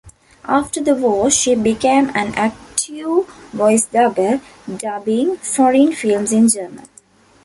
After the war, she became an active voice dubber, dubbing foreign films in German.